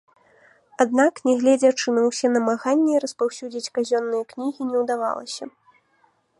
Аднак, нягледзячы на ўсе намаганні, распаўсюдзіць казённыя кнігі не ўдавалася.